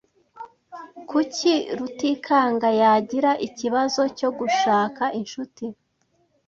Kuki Rutikanga yagira ikibazo cyo gushaka inshuti?